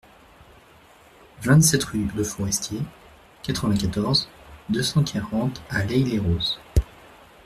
vingt-sept rue Leforestier, quatre-vingt-quatorze, deux cent quarante à L'Haÿ-les-Roses